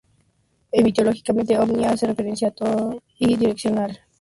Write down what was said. Etimológicamente, "omni" hace referencia a "todo" y "direccional" a dirección.